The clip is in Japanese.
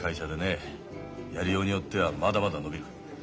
やりようによってはまだまだ伸びる。